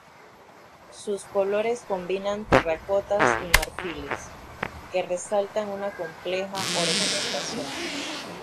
Sus colores combinan terracotas y marfiles, que resaltan una compleja ornamentación.